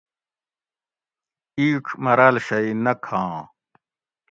اِیڄ مراٞل شئ نہ کھاں